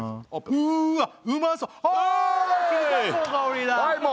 うわっうまそう！